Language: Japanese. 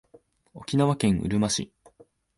沖縄県うるま市